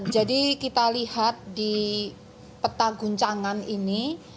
jadi kita lihat di peta guncangan ini